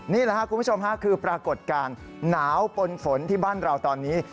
นี่แหละครับคุณผู้ชมฮะคือปรากฏการณ์หนาวปนฝนที่บ้านเราตอนนี้